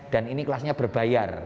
dan ini kelasnya berbayar